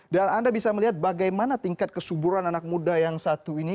dan anda bisa melihat bagaimana tingkat kesuburan anak muda yang satu ini